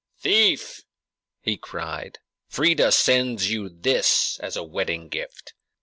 "Thief!" he cried. "Freia sends you this as a wedding gift!"